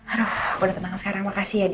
aduh aku udah tenang sekarang makasih ya dih